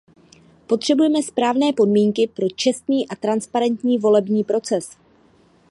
Potřebujeme správné podmínky pro čestný a transparentní volební proces.